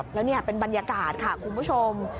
แล้วนี่เป็นบรรยากาศค่ะคุณผู้ชม